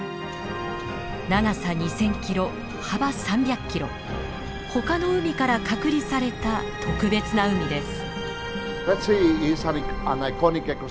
長さ２，０００キロ幅３００キロほかの海から隔離された特別な海です。